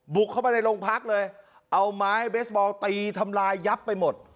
บุกเข้ามาในโรงพักเลยเอาไม้เบสบอลตีทำลายยับไปหมด